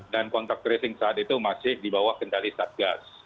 dan kontak tracing saat itu masih di bawah kendali satgas